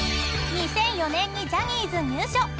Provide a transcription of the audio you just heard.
［２００４年にジャニーズ入所］